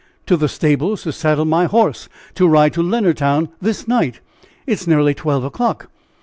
"To the stables to saddle my horse, to ride to Leonardtown this night!" "It is nearly twelve o'clock."